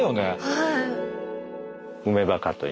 はい。